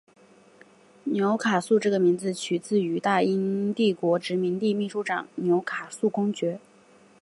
纽卡素这个名字取自于大英帝国殖民地秘书长纽卡素公爵。